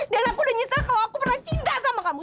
dan aku udah nyesel kalau aku pernah cinta sama kamu